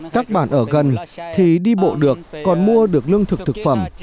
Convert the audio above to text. các bản ở gần thì đi bộ được còn mua được lương thực thực phẩm